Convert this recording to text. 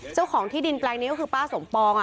เจ้าของที่ดินแปลงนี้ก็คือป้าสมปอง